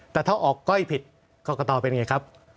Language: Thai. แต่ถ้าออกก้อยผิดกรกตเป็นไงครับ